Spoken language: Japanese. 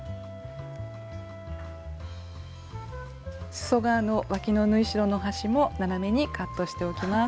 すそ側のわきの縫い代の端も斜めにカットしておきます。